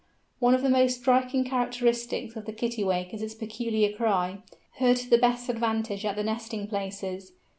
One of the most striking characteristics of the Kittiwake is its peculiar cry, heard to the best advantage at the nesting places.